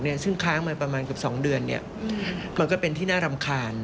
เนี้ยซึ่งค้างมาประมาณกับสองเดือนเนี้ยอืมมันก็เป็นที่น่ารำคาญ